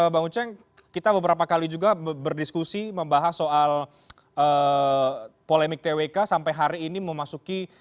bang uceng kita beberapa kali juga berdiskusi membahas soal polemik twk sampai hari ini memasuki